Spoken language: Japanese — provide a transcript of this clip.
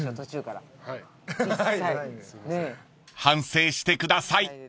［反省してください］